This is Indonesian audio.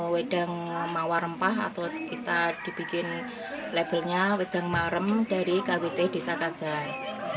wedeng mauar rempah atau kita dibikin labelnya wedeng mauar rempah dari kwt desa kacer